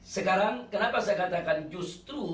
sekarang kenapa saya katakan justru